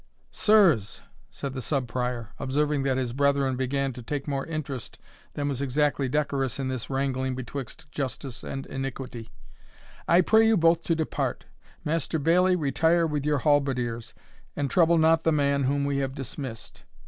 "Sirs," said the Sub Prior, observing that his brethren began to take more interest than was exactly decorous in this wrangling betwixt justice and iniquity, "I pray you both to depart Master Bailie, retire with your halberdiers, and trouble not the man whom we have dismissed.